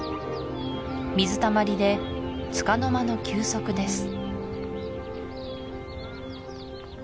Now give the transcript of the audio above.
水たまりでつかの間の休息です